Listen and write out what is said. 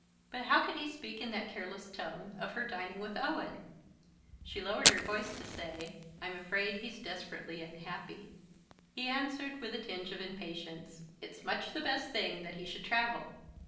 But how could he speak in that careless tone of her dining with Owen? She lowered her voice to say: "I'm afraid he's desperately unhappy." He answered, with a tinge of impatience: "It's much the best thing that he should travel."